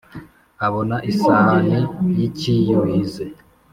Abona isahani y'icyiyuhize